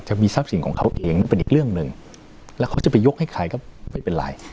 จะมีทรัพย์สินของเขาเองเป็นอีกเรื่องหนึ่งแล้วเขาจะไปยกให้ใครก็ไม่เป็นไร